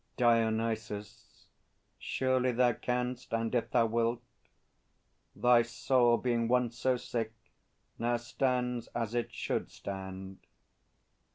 DIONYSUS. Surely thou canst, and if thou wilt! Thy soul, Being once so sick, now stands as it should stand.